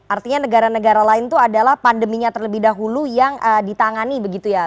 artinya negara negara lain itu adalah pandeminya terlebih dahulu yang ditangani begitu ya